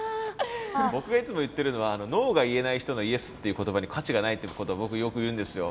僕がいつも言ってるのはノーが言えない人のイエスっていう言葉に価値がないっていうことを僕よく言うんですよ。